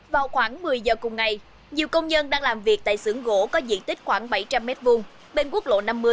vào khoảng một mươi giờ cùng ngày nhiều công nhân đang làm việc tại xưởng gỗ có diện tích khoảng bảy trăm linh m hai bên quốc lộ năm mươi